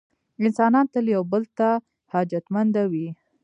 انسانان تل یو بل ته حاجتمنده وي.